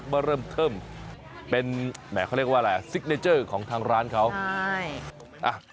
ยักษ์มาเริ่มเทิมเป็นแหม่เขาเรียกว่าอะไรของทางร้านเขาใช่อ่ะ